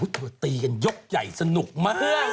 เธอตีกันยกใหญ่สนุกมาก